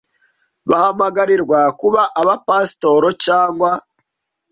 bahamagarirwa kuba abapasitoro cyangwa